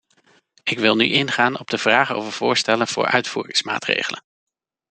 Ik wil nu ingaan op de vraag over voorstellen voor uitvoeringsmaatregelen.